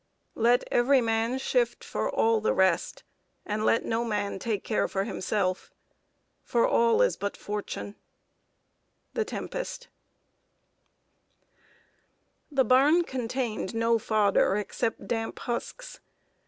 Let every man shift for all the rest, and let no man Take care for himself; for all is but fortune. IBID. The barn contained no fodder except damp husks.